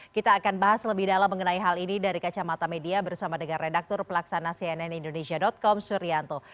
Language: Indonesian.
kita akan bahas lebih dalam mengenai hal ini dari kacamata media bersama dengan redaktur pelaksana cnn indonesia com suryanto